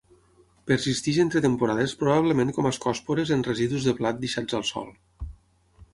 Persisteix entre temporades probablement com ascòspores en residus de blat deixats al sòl.